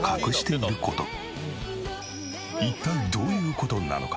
一体どういう事なのか？